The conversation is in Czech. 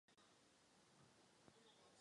Dnešní umístění sloupu na návsi není původní.